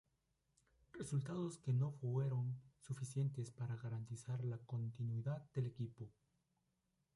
Resultados que no fueron suficientes para garantizar la continuidad del equipo.